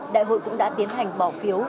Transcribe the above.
đại hội cũng đã tiến hành bỏ phiếu